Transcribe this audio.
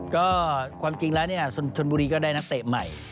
ก็ความจริงแล้วเนี่ยชนบุรีก็ได้นักเตะใหม่